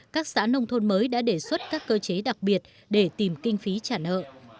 các xã nông thôn mới đã đề xuất các cơ chế đặc biệt để tìm kinh phí trả nợ